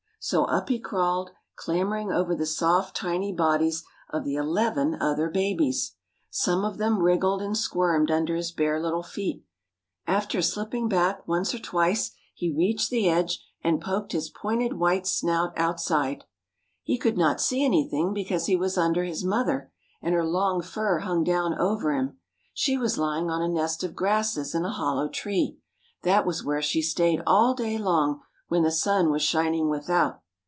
So up he crawled, clambering over the soft, tiny bodies of the eleven other babies. Some of them wriggled and squirmed under his bare little feet. After slipping back once or twice he reached the edge and poked his pointed white snout outside. He could not see anything because he was under his mother, and her long fur hung down over him. She was lying on a nest of grasses in a hollow tree. That was where she stayed all day long when the sun was shining without.